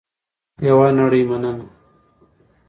یوه نړۍ مننه